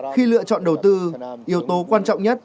khi lựa chọn đầu tư yếu tố quan trọng nhất